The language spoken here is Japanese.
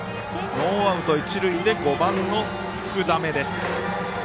ノーアウト一塁で５番の福溜です。